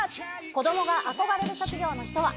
子どもが憧れる職業の人は。